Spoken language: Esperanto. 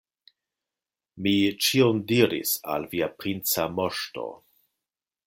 Mi ĉion diris al via princa moŝto.